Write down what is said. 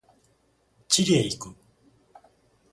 チリへ行く。